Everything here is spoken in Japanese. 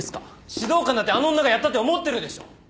指導官だってあの女がやったって思ってるでしょ！